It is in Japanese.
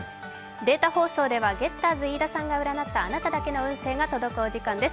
データ放送ではゲッターズ飯田さんが占ったあなただけの運勢が届く時間です。